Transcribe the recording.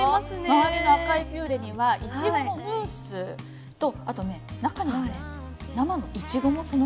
周りの赤いピューレにはいちごのムースとあとね中にはね生のいちごもそのまま入ってるんですよ。